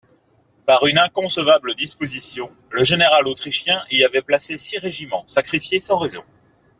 Par une inconcevable disposition, le général autrichien y avait placé six régiments sacrifiés sans raison.